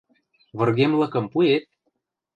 Выргемлыкым пуэт?